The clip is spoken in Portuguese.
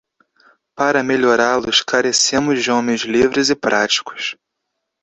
Para melhorá-los carecemos de homens livres e práticos.